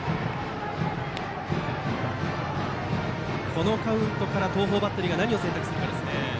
このカウントから東邦バッテリーが何を選択するか。